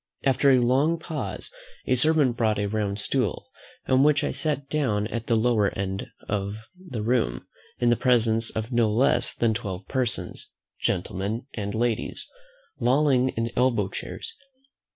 After a long pause, a servant brought a round stool, on which I sat down at the lower end of the room, in the presence of no less than twelve persons, gentlemen and ladies, lolling in elbow chairs.